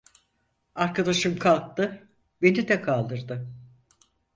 Arkadaşım kalktı, beni de kaldırdı.